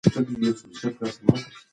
ناصحيح خبرې د کینې اور لمبه کوي.